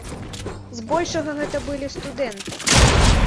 Збольшага гэта былі студэнты.